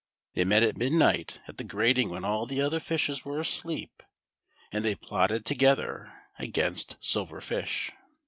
They met at midnight at the grating when all the other fishes were asleep, and they plotted together against Silver Fish.